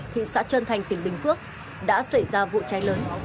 thị xã trơn thành tỉnh bình phước đã xảy ra vụ cháy lớn